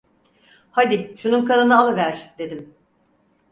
Hadi şunun kanını alıver! dedim.